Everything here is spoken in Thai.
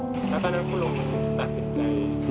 แล้วตอนนั้นคุณลุงตัดสินใจ